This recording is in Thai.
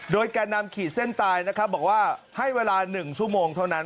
โดยแก่นำขีดเส้นตายนะครับบอกว่าให้เวลา๑ชั่วโมงเท่านั้น